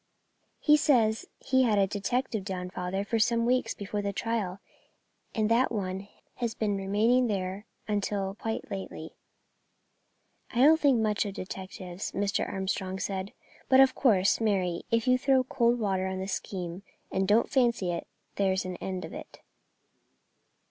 "He says he had a detective down, father, for some weeks before the trial, and that one has been remaining there until quite lately." "I don't think much of detectives," Mr. Armstrong said; "but of course, Mary, if you throw cold water on the scheme and don't fancy it, there's an end of it."